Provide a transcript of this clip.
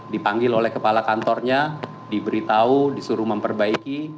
dipanggil oleh kepala kantornya diberitahu disuruh memperbaiki